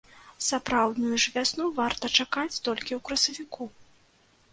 Сапраўдную ж вясну варта чакаць толькі ў красавіку.